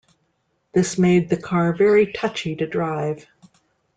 This made the car very touchy to drive.